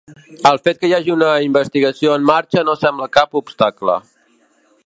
El fet que hi hagi una investigació en marxa no sembla ser cap obstacle.